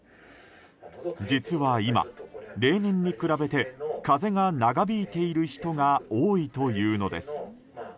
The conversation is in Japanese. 実は今、例年に比べて風邪が長引いている人が多いというのです。